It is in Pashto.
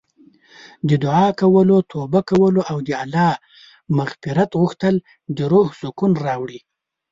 د دعا کولو، توبه کولو او د الله مغفرت غوښتل د روح سکون راوړي.